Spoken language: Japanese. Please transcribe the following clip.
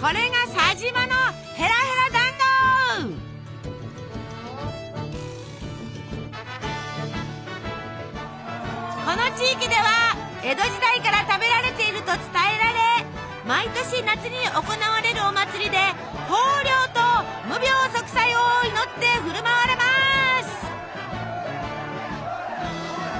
これが佐島のこの地域では江戸時代から食べられていると伝えられ毎年夏に行われるお祭りで豊漁と無病息災を祈って振る舞われます。